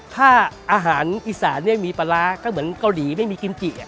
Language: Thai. ถ้าอาหารอีสานมีปลาร้าก็เหมือนเกาหลีไม่มีกิมจิ